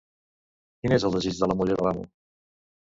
Quin és el desig de la muller de l'amo?